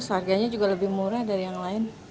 harganya juga lebih murah dari yang lain